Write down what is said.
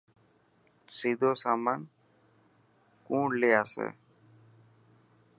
سيدو سامان ڪوڻ لي آسي.